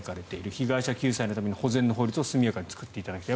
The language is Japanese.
被害者救済のために保全の法律を速やかに作っていただきたい